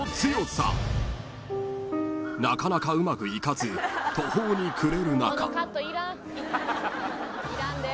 ［なかなかうまくいかず途方に暮れる中］